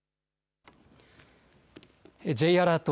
Ｊアラート